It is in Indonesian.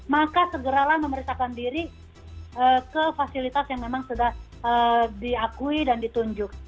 maka segeralah memeriksakan diri ke fasilitas yang memang sudah diakui dan ditunjuk